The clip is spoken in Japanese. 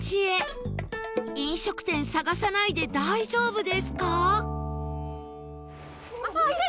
飲食店探さないで大丈夫ですか？